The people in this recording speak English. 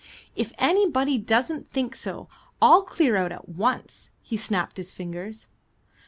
"If anybody doesn't think so, I'll clear out at once" he snapped his fingers.